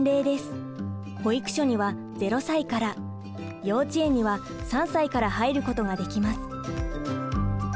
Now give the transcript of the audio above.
保育所には０歳から幼稚園には３歳から入ることができます。